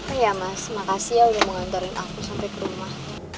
eh ya mas makasih ya udah mengantarin aku sampe kerumah